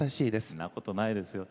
そんなことないですよ。